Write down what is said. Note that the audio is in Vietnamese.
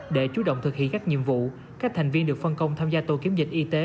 để chú động thực hiện các nhiệm vụ các thành viên được phân công tham gia tổ kiểm dịch y tế